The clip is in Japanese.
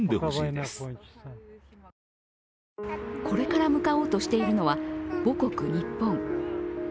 これから向かおうとしているのは母国・日本。